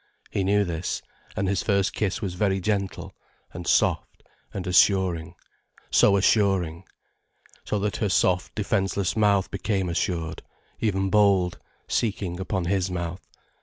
He knew this, and his first kiss was very gentle, and soft, and assuring, so assuring. So that her soft, defenseless mouth became assured, even bold, seeking upon his mouth.